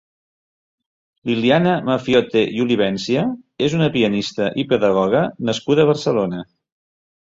Liliana Maffiotte i Olivencia és una pianista i pedagoga nascuda a Barcelona.